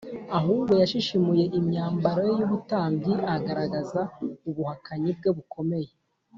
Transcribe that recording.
ahubwo yashishimuye imyambaro ye y’ubutambyi agaragaza ubuhakanyi bwe bukomeye